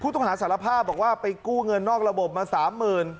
พูดทั้งหาสารภาพบอกว่าไปกู้เงินนอกระบบมา๓๐๐๐บาท